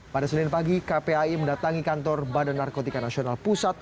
pada senin pagi kpai mendatangi kantor badan narkotika nasional pusat